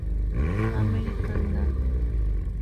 American Dad!